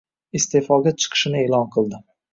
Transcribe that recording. iste'foga chiqishini e'lon qildi